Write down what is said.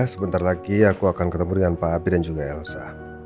sebentar lagi aku akan ketemu dengan pak abe dan juga elsa